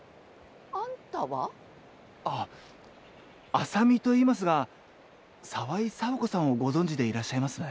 浅見といいますが沢井紗保子さんをご存じでいらっしゃいますね？